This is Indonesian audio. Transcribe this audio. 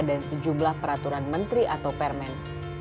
dan sejumlah peraturan menteri atau permen